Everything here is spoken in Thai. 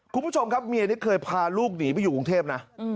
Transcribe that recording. คุณผู้ชมครับเมียนี่เคยพาลูกหนีไปอยู่กรุงเทพนะ